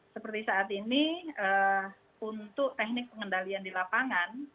seperti saat ini untuk teknik pengendalian di lapangan